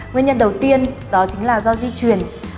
nguyên nhân đầu tiên đó chính là do di chuyển